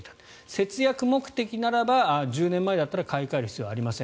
節約目的ならば１０年前だったら買い替える必要はありません。